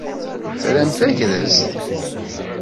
Tram tagrest?